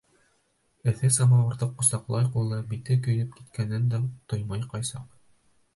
Эҫе самауырҙы ҡосаҡлай, ҡулы, бите көйөп киткәнен дә тоймай ҡай саҡ.